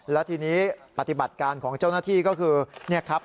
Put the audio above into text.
และทีนี้ปฏิบัติการของเจ้าหน้าที่ก็คือ